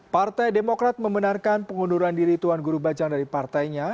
partai demokrat membenarkan pengunduran diri tuan guru bajang dari partainya